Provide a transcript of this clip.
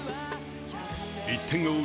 １点を追う